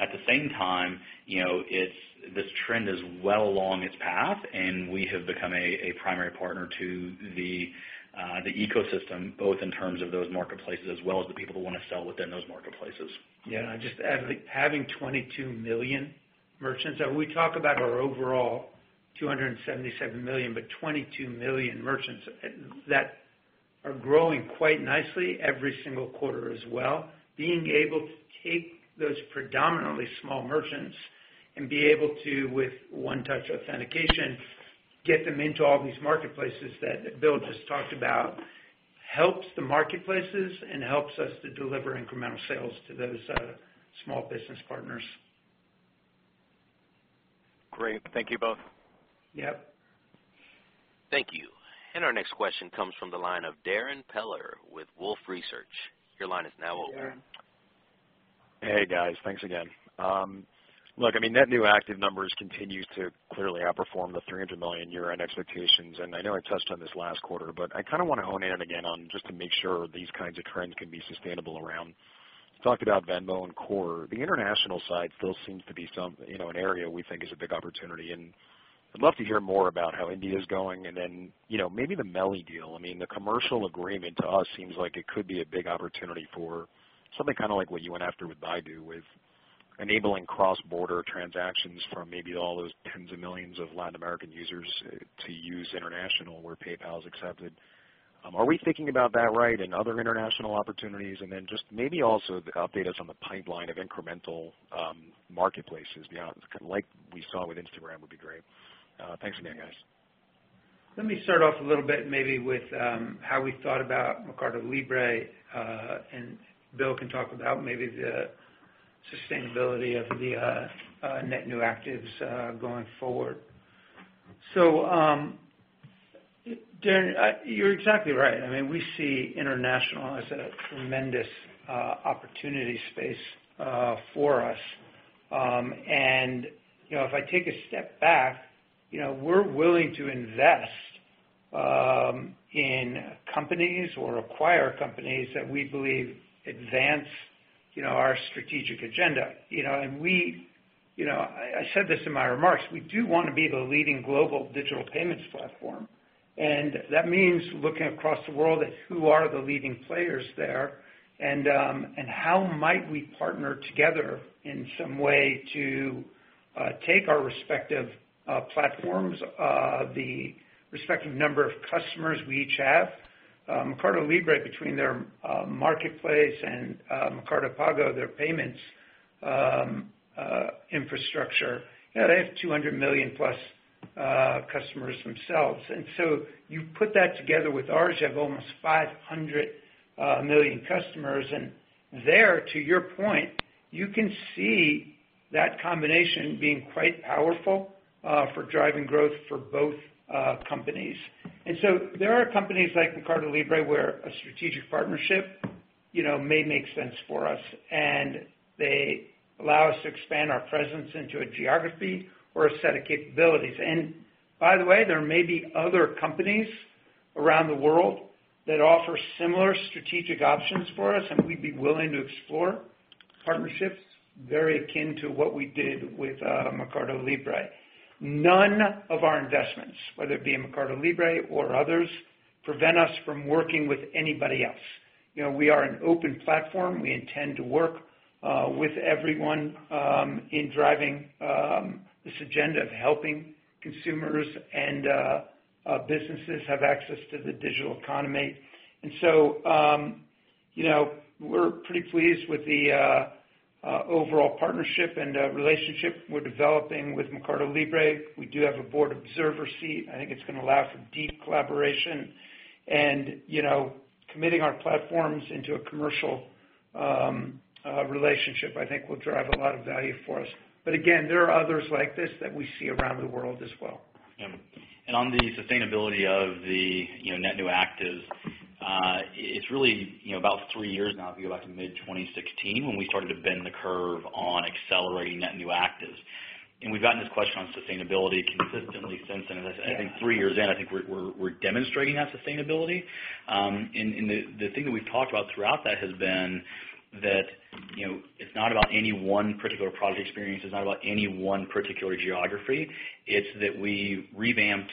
At the same time, this trend is well along its path, and we have become a primary partner to the ecosystem, both in terms of those marketplaces as well as the people who want to sell within those marketplaces. Yeah. Just having 22 million merchants. We talk about our overall 277 million, but 22 million merchants that are growing quite nicely every single quarter as well, being able to take those predominantly small merchants and be able to, with One Touch authentication, get them into all these marketplaces that Bill just talked about, helps the marketplaces and helps us to deliver incremental sales to those small business partners. Great. Thank you both. Yep. Thank you. Our next question comes from the line of Darrin Peller with Wolfe Research. Your line is now open. Hey, guys. Thanks again. Net new active numbers continue to clearly outperform the $300 million year-end expectations. I know I touched on this last quarter, I kind of want to hone in again on just to make sure these kinds of trends can be sustainable. Talked about Venmo and Core. The international side still seems to be an area we think is a big opportunity. I'd love to hear more about how India is going and then maybe the MELI deal. The commercial agreement to us seems like it could be a big opportunity for something kind of like what you went after with Baidu, with enabling cross-border transactions from maybe all those tens of millions of Latin American users to use international where PayPal is accepted. Are we thinking about that right and other international opportunities? Just maybe also update us on the pipeline of incremental marketplaces beyond, like we saw with Instagram, would be great. Thanks again, guys. Let me start off a little bit maybe with how we thought about Mercado Libre. Bill can talk about maybe the sustainability of the net new actives going forward. Darrin, you're exactly right. We see international as a tremendous opportunity space for us. If I take a step back, we're willing to invest in companies or acquire companies that we believe advance our strategic agenda. I said this in my remarks, we do want to be the leading global digital payments platform, and that means looking across the world at who are the leading players there and how might we partner together in some way to take our respective platforms, the respective number of customers we each have. Mercado Libre between their marketplace and Mercado Pago, their payments infrastructure, they have $200 million-plus customers themselves. You put that together with ours, you have almost 500 million customers, and there, to your point, you can see that combination being quite powerful for driving growth for both companies. There are companies like Mercado Libre where a strategic partnership may make sense for us, and they allow us to expand our presence into a geography or a set of capabilities. By the way, there may be other companies around the world that offer similar strategic options for us, and we'd be willing to explore partnerships very akin to what we did with Mercado Libre. None of our investments, whether it be in Mercado Libre or others, prevent us from working with anybody else. We are an open platform. We intend to work with everyone in driving this agenda of helping consumers and businesses have access to the digital economy. We're pretty pleased with the overall partnership and relationship we're developing with Mercado Libre. We do have a board observer seat. I think it's going to allow for deep collaboration, and committing our platforms into a commercial relationship I think will drive a lot of value for us. Again, there are others like this that we see around the world as well. Yeah. On the sustainability of the net new actives, it's really about three years now, if you go back to mid-2016 when we started to bend the curve on accelerating net new actives. We've gotten this question on sustainability consistently since then. I think three years in, I think we're demonstrating that sustainability. The thing that we've talked about throughout that has been that it's not about any one particular product experience, it's not about any one particular geography. It's that we revamped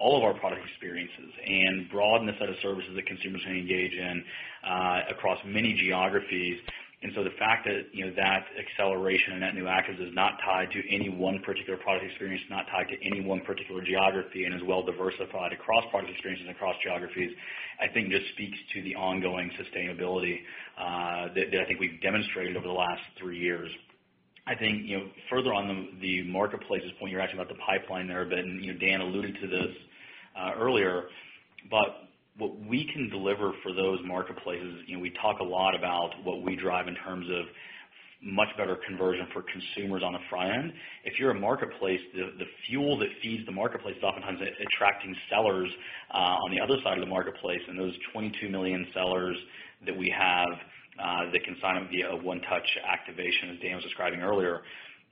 all of our product experiences and broadened the set of services that consumers can engage in across many geographies. The fact that acceleration and net new actives is not tied to any one particular product experience, not tied to any one particular geography, and is well diversified across product experiences and across geographies, I think just speaks to the ongoing sustainability that I think we've demonstrated over the last three years. I think further on the marketplaces point, you're asking about the pipeline there, Dan alluded to this earlier. What we can deliver for those marketplaces, we talk a lot about what we drive in terms of much better conversion for consumers on the front end. If you're a marketplace, the fuel that feeds the marketplace is oftentimes attracting sellers on the other side of the marketplace, and those 22 million sellers that we have. They can sign up via a One Touch activation, as Dan was describing earlier.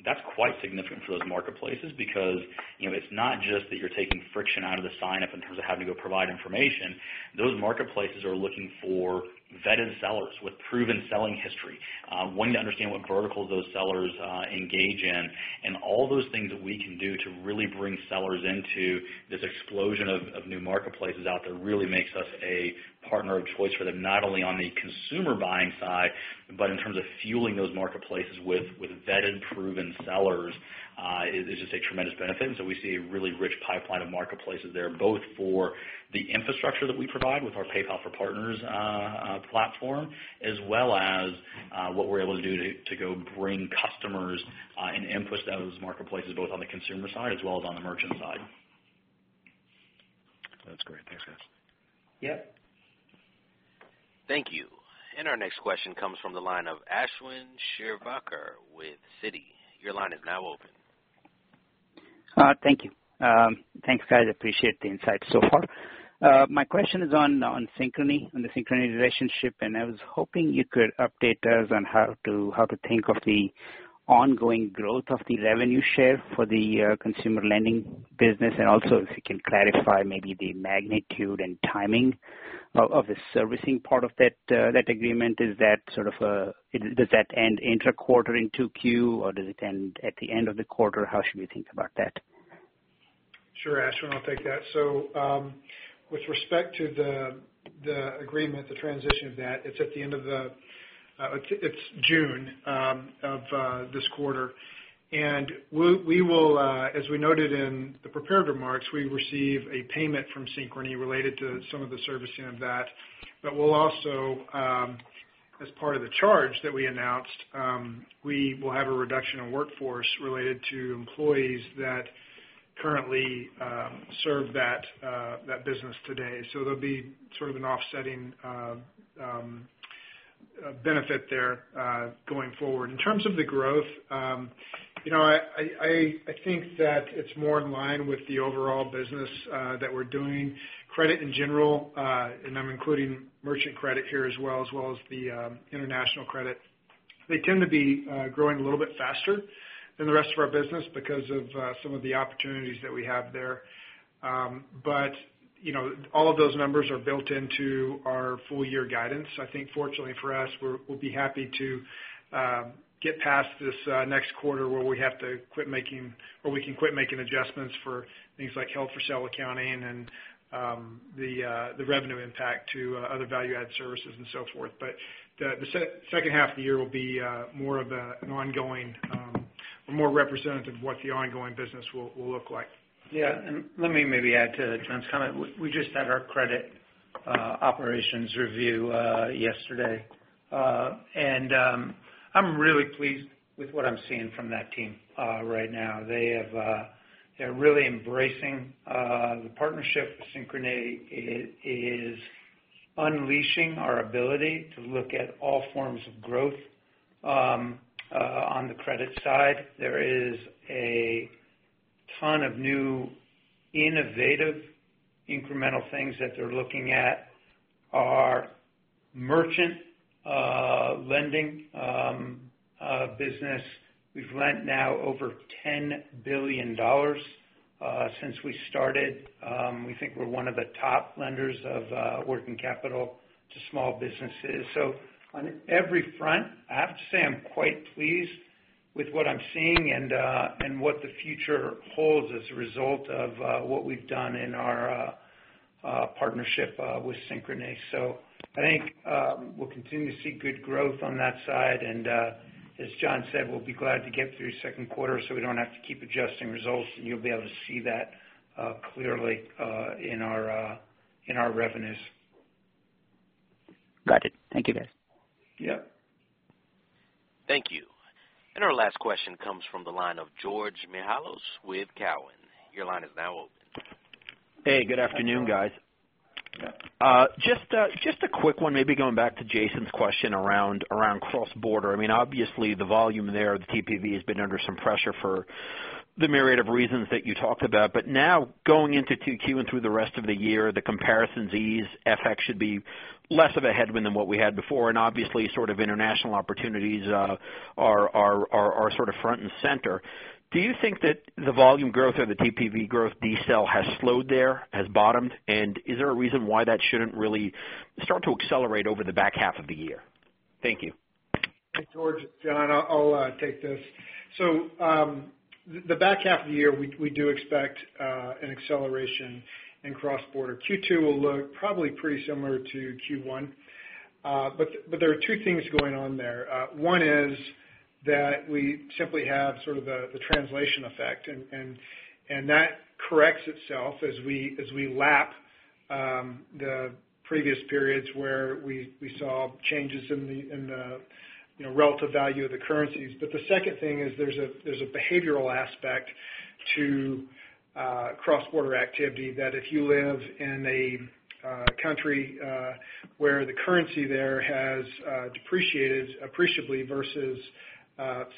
That's quite significant for those marketplaces because it's not just that you're taking friction out of the sign-up in terms of having to go provide information. Those marketplaces are looking for vetted sellers with proven selling history, wanting to understand what verticals those sellers engage in, and all those things that we can do to really bring sellers into this explosion of new marketplaces out there really makes us a partner of choice for them, not only on the consumer buying side, but in terms of fueling those marketplaces with vetted, proven sellers, is just a tremendous benefit. We see a really rich pipeline of marketplaces there, both for the infrastructure that we provide with our PayPal Partner Program platform, as well as what we're able to do to go bring customers and input to those marketplaces, both on the consumer side as well as on the merchant side. That's great. Thanks, guys. Yep. Thank you. Our next question comes from the line of Ashwin Shirvaikar with Citi. Your line is now open. Thank you. Thanks, guys. Appreciate the insights so far. My question is on Synchrony, on the Synchrony relationship. I was hoping you could update us on how to think of the ongoing growth of the revenue share for the consumer lending business, and also if you can clarify maybe the magnitude and timing of the servicing part of that agreement. Does that end intra-quarter in 2Q, or does it end at the end of the quarter? How should we think about that? Sure, Ashwin, I'll take that. With respect to the agreement, the transition of that, it's June of this quarter. We will, as we noted in the prepared remarks, we receive a payment from Synchrony related to some of the servicing of that. We'll also, as part of the charge that we announced, we will have a reduction in workforce related to employees that currently serve that business today. There'll be sort of an offsetting benefit there going forward. In terms of the growth, I think that it's more in line with the overall business that we're doing. Credit in general, and I'm including merchant credit here as well, as well as the international credit, they tend to be growing a little bit faster than the rest of our business because of some of the opportunities that we have there. All of those numbers are built into our full-year guidance. I think fortunately for us, we'll be happy to get past this next quarter where we can quit making adjustments for things like held for sale accounting and the revenue impact to other value-add services and so forth. The second half of the year will be more representative of what the ongoing business will look like. Yeah. Let me maybe add to John's comment. We just had our credit operations review yesterday. I'm really pleased with what I'm seeing from that team right now. They're really embracing the partnership with Synchrony. It is unleashing our ability to look at all forms of growth on the credit side. There is a ton of new, innovative, incremental things that they're looking at. Our merchant lending business, we've lent now over $10 billion since we started. We think we're one of the top lenders of working capital to small businesses. On every front, I have to say I'm quite pleased with what I'm seeing and what the future holds as a result of what we've done in our partnership with Synchrony. I think we'll continue to see good growth on that side, as John said, we'll be glad to get through second quarter so we don't have to keep adjusting results, and you'll be able to see that clearly in our revenues. Got it. Thank you, guys. Yep. Thank you. Our last question comes from the line of Georgios Mihalos with Cowen. Your line is now open. Hey, good afternoon, guys. Yeah. Just a quick one, maybe going back to Jason's question around cross-border. Obviously, the volume there, the TPV, has been under some pressure for the myriad of reasons that you talked about. Now going into 2Q and through the rest of the year, the comparisons ease, FX should be less of a headwind than what we had before, and obviously sort of international opportunities are sort of front and center. Do you think that the volume growth or the TPV growth decel has slowed there, has bottomed, and is there a reason why that shouldn't really start to accelerate over the back half of the year? Thank you. Hey, George, John, I'll take this. The back half of the year, we do expect an acceleration in cross-border. Q2 will look probably pretty similar to Q1. There are two things going on there. One is that we simply have sort of the translation effect, and that corrects itself as we lap the previous periods where we saw changes in the relative value of the currencies. The second thing is there's a behavioral aspect to cross-border activity that if you live in a country where the currency there has depreciated appreciably versus,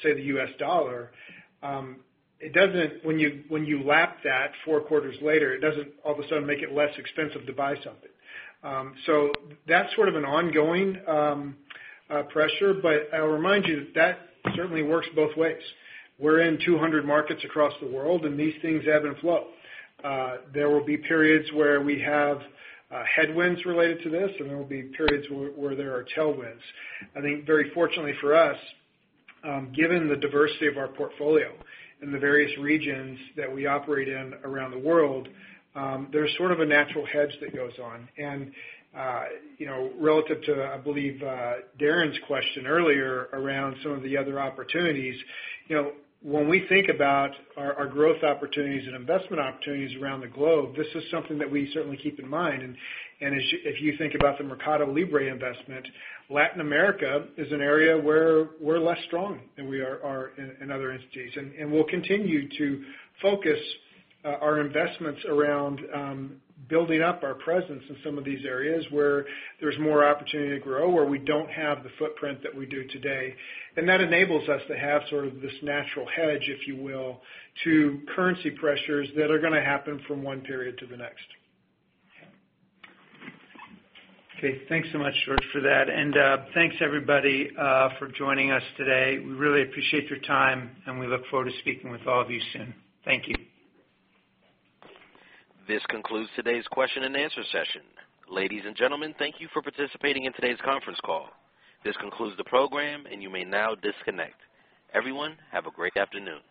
say, the U.S. dollar, when you lap that four quarters later, it doesn't all of a sudden make it less expensive to buy something. So that's sort of an ongoing pressure. I'll remind you that that certainly works both ways. We're in 200 markets across the world, and these things ebb and flow. There will be periods where we have headwinds related to this, and there will be periods where there are tailwinds. I think very fortunately for us, given the diversity of our portfolio and the various regions that we operate in around the world, there's sort of a natural hedge that goes on. And relative to, I believe, Darrin's question earlier around some of the other opportunities, when we think about our growth opportunities and investment opportunities around the globe, this is something that we certainly keep in mind. And if you think about the Mercado Libre investment, Latin America is an area where we're less strong than we are in other entities. And we'll continue to focus our investments around building up our presence in some of these areas where there's more opportunity to grow, where we don't have the footprint that we do today. That enables us to have sort of this natural hedge, if you will, to currency pressures that are going to happen from one period to the next. Okay. Thanks so much, George, for that. Thanks everybody for joining us today. We really appreciate your time, and we look forward to speaking with all of you soon. Thank you. This concludes today's question and answer session. Ladies and gentlemen, thank you for participating in today's conference call. This concludes the program, and you may now disconnect. Everyone, have a great afternoon.